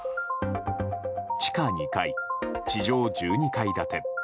地下２階、地上１２階建て。